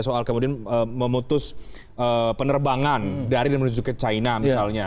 soal kemudian memutus penerbangan dari negeri china misalnya